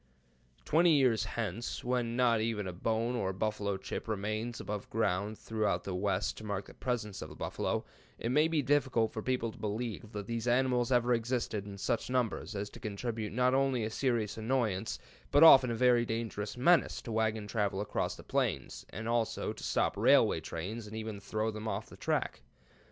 Twenty years hence, when not even a bone or a buffalo chip remains above ground throughout the West to mark the presence of the buffalo, it may be difficult for people to believe that these animals ever existed in such numbers as to constitute not only a serious annoyance, but very often a dangerous menace to wagon travel across the plains, and also to stop railway trains, and even throw them off the track.